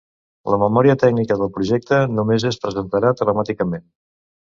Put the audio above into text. La memòria tècnica del projecte només es presentarà telemàticament.